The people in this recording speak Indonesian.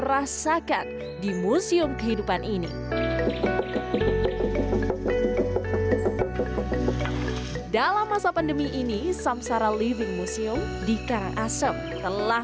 rasakan di museum kehidupan ini dalam masa pandemi ini samsara living museum di karangasem telah